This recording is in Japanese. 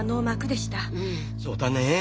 そうだねぇ。